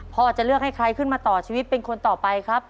พ่อจะเลือกให้ใครขึ้นมาต่อชีวิตเป็นคนต่อไปครับ